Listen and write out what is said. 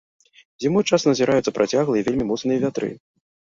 Зімой часта назіраюцца працяглыя і вельмі моцныя вятры.